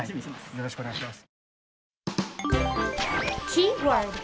よろしくお願いします。